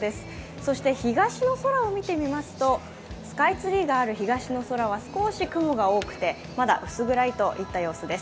そして東の空を見てみますと、スカイツリーがある東の空は少し雲が多くてまだ薄暗いといった様子です。